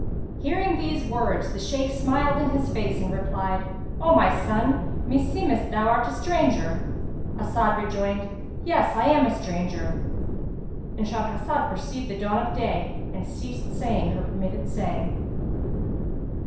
Hearing these words the Shaykh smiled in his face and replied, "O my son, meseemeth thou art a stranger?" As'ad rejoined, "Yes, I am a stranger."—And Shahrazad perceived the dawn of day and ceased saying her permitted say.